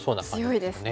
強いですね。